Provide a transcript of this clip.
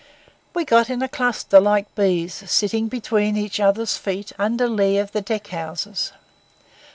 We got in a cluster like bees, sitting between each other's feet under lee of the deck houses.